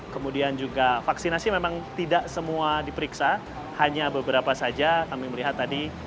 kemudian juga vaksinasi memang tidak semua diperiksa hanya beberapa saja kami melihat tadi